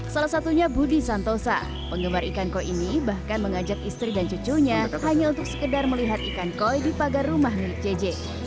salah satunya budi santosa penggemar ikan koi ini bahkan mengajak istri dan cucunya hanya untuk sekedar melihat ikan koi di pagar rumah milik jj